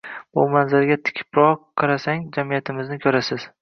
Bu manzaraga tikilibroq qarasangiz jamiyatimizni ko‘rasiz...